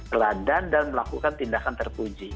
teladan dan melakukan tindakan terpuji